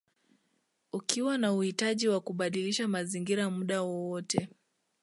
Ukiwa na uhitaji wa kubadilisha mazingira muda wowote